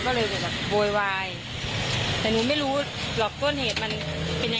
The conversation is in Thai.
แล้วที่มันก็ไม่ใช่ที่มันก็ไม่ใช่